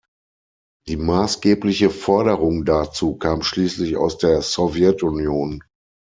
Die maßgebliche Forderung dazu kam schließlich aus der Sowjetunion.